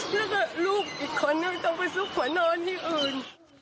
แล้วก็ลูกอีกคนนึงต้องไปซุกหัวนอนที่อื่น